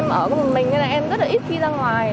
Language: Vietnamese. em ở cùng mình nên là em rất là ít đi ra ngoài